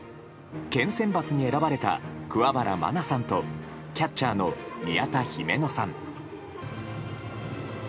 県選抜に選ばれた桑原まなさんとキャッチャーの宮田さん。